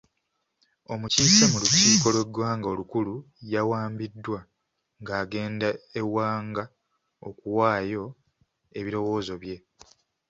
Omukiise mu lukiiko lw'egwanga olukulu yawambiddwa ng'agenda Ewanga okuwaayo ebirowoozo bye.